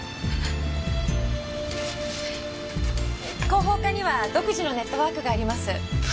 広報課には独自のネットワークがあります。